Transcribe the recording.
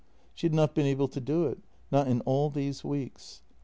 She had not been able to do it — not in all these weeks.